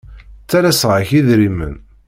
Ttalaseɣ-ak idrimen.